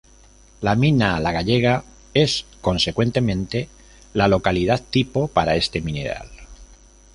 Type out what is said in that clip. La mina La Gallega es consecuentemente la localidad tipo para este mineral.